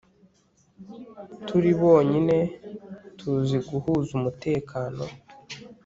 turi bonyine tuzi guhuza umutekano